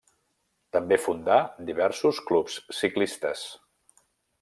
També fundà diversos clubs ciclistes.